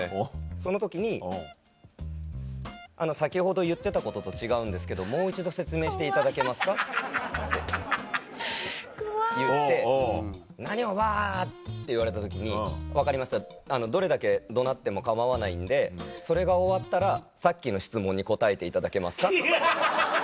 その時に「先ほど言ってたことと違うんですけどもう一度説明していただけますか？」って言って「何を！」わって言われた時に「分かりましたどれだけ怒鳴っても構わないんでそれが終わったらさっきの質問に答えていただけますか？」。